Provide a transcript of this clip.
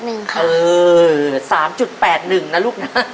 เออ๓๘๑นะลูกนะ